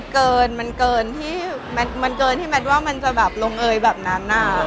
คือมันเกินที่แมทว่ามันจะลงเอยแบบนั้น